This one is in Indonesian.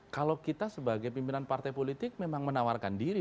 kalau kita sebagai pimpinan partai politik memang menawarkan diri